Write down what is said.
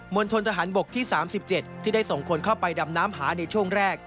ณฑนทหารบกที่๓๗ที่ได้ส่งคนเข้าไปดำน้ำหาในช่วงแรก